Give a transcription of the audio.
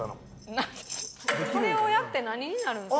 これをやって何になるんですか？